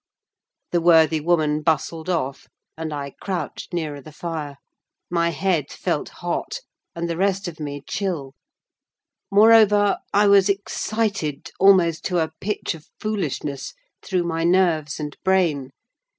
The worthy woman bustled off, and I crouched nearer the fire; my head felt hot, and the rest of me chill: moreover, I was excited, almost to a pitch of foolishness, through my nerves and brain.